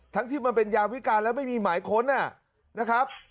ที่มันเป็นยาวิการแล้วไม่มีหมายค้นนะครับ